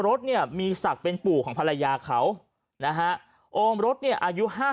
รถเนี่ยมีศักดิ์เป็นปู่ของภรรยาเขานะฮะโอมรถเนี่ยอายุ๕๐